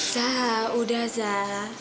zah udah zah